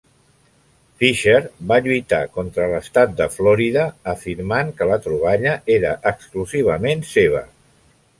Fisher va lluitar contra l'estat de Florida, afirmant que la troballa era exclusivament seva.